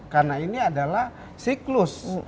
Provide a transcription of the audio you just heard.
karena ini adalah siklus